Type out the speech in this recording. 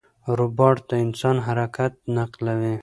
روباټ د انسان حرکت نقلوي.